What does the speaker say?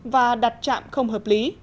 và đặt trạm không hợp lý